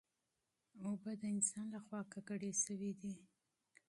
اوبه د انسان له خوا ککړې شوې دي.